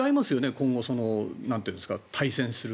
今後、対戦する。